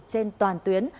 trên toàn tuyến